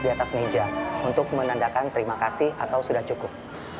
di atas meja untuk menandakan terima kasih atau sudah cukup